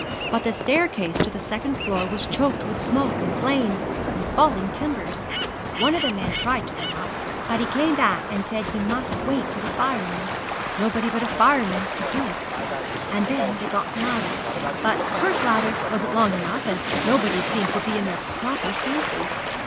But the staircase to the second floor was choked with smoke and flame, and falling timbers; one of the men tried to go up, but he came back and said he must wait for the firemen nobody but a fireman could do it. And then they got ladders, but the first ladder wasn't long enough, and nobody seemed to be in their proper senses.